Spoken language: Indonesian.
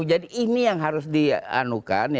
jadi ini yang harus dianukan